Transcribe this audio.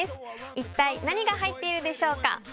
一体何が入っているでしょうか？